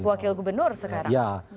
wakil gubernur sekarang